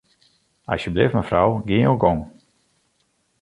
Asjebleaft mefrou, gean jo gong.